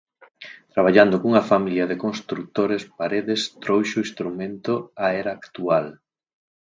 Traballando cunha familia de construtores Paredes trouxo o instrumento á era actual.